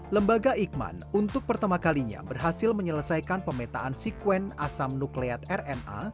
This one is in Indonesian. lembaga ikman untuk pertama kalinya berhasil menyelesaikan pemetaan sekuen asam nukleat rna